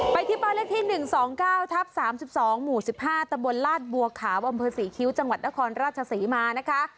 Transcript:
ไปที่เป้าเลขที่๑๒๙๓๒๑๕ตบลลาดบัวขาวอศรีคิ้วจนครราชศรีมานะคะ